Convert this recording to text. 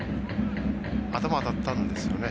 頭当たったんですよね？